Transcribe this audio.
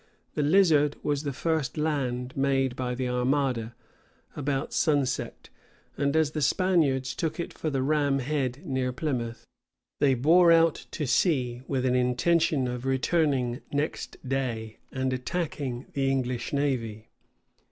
The Lizard was the first land made by the armada, about sunset; and as the Spaniards took it for the Ram Head near Plymouth, they bore out to sea with an intention of returning next day, and attacking the English navy.